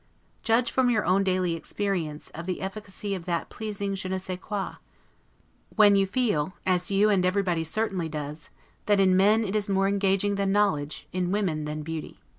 Judge from your own daily experience, of the efficacy of that pleasing 'je ne sais quoi', when you feel, as you and everybody certainly does, that in men it is more engaging than knowledge, in women than beauty.